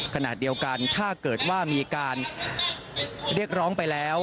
ขณะเดียวกันถ้าเกิดว่ามีการเรียกร้องไปแล้ว